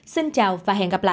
xin chào và hẹn gặp lại